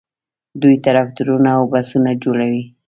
دوی ټراکټورونه او بسونه جوړوي.